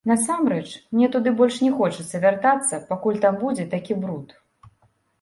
Насамрэч, мне туды больш не хочацца вяртацца, пакуль там будзе такі бруд.